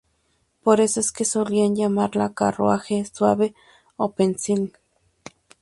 Por eso es que solían llamarla carruaje suave o pensil.